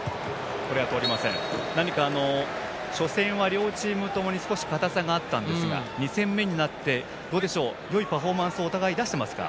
何か初戦は両チームともに少し硬さがあったんですが２戦目になってよいパフォーマンスをお互いに出してますか。